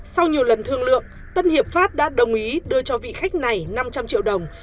sau nhiều lần thương lượng tân hiệp pháp đã đồng ý đưa cho vị khách này năm trăm linh triệu đồng